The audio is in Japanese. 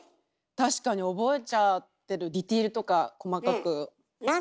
確かに覚えちゃってるディテールとか細かく。